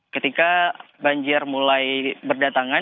ketika banjir mulai berdatangan